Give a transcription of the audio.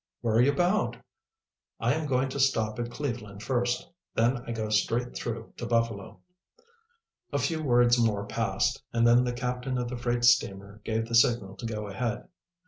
"Where are you bound?" "I am going to stop at Cleveland first. Then I go straight through to Buffalo." A few words more passed, and then the captain of the freight steamer gave the signal to go ahead.